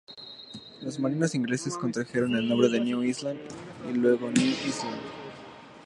Los marinos ingleses contrajeron el nombre a Mew Island y luego a New Island.